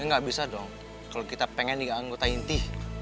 ini gak bisa dong kalo kita pengen dianggota inti